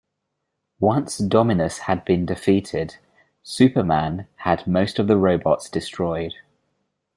Once Dominus had been defeated, Superman had most of the robots destroyed.